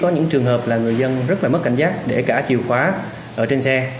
có những trường hợp là người dân rất là mất cảnh giác để cả chiều khóa ở trên xe